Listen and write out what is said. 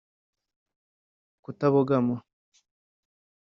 kutabogama